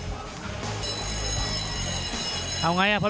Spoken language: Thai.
มั่นใจว่าจะได้แชมป์ไปพลาดโดนในยกที่สามครับเจอหุ้กขวาตามสัญชาตยานหล่นเลยครับ